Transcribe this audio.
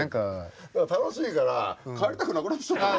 楽しいから帰りたくなくなってきちゃったよ